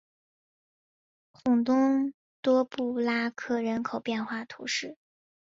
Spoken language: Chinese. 孔东多布拉克人口变化图示